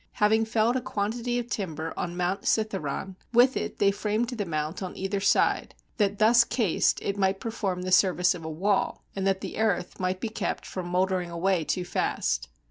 Having felled a quantity of timber on Mount Cithaeron, with it they framed the mount on either side, that thus cased it might perform the service of a wall, and that the earth might be kept from mouldering away too fast.